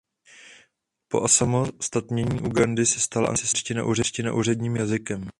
Po osamostatnění Ugandy se stala angličtina úředním jazykem.